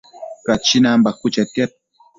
Cachinan bacuë chetiad